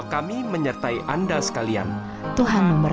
kata sesat tuhan yesus